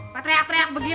kalo teriak teriak begitu